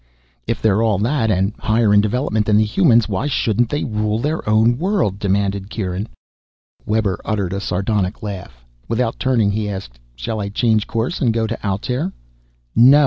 "If they're all that, and higher in development than the humans, why shouldn't they rule their own world?" demanded Kieran. Webber uttered a sardonic laugh. Without turning he asked, "Shall I change course and go to Altair?" "No!"